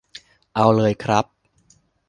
เอาเลยครับ